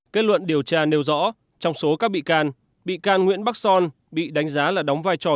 kết luận điều tra nêu rõ trong số các bị can bị can nguyễn bắc son bị đánh giá là đóng vai trò